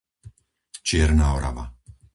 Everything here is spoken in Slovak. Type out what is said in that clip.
Čierna Orava